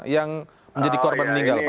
yang menjadi korban meninggal pak